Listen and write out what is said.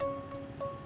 atau praing yok